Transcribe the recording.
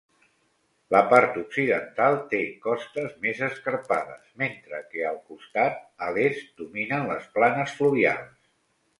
La part occidental té costes més escarpades, mentre que al costat a l'est dominen les planes fluvials.